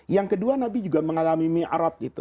yang kedua nabi juga mengalami mi'rab gitu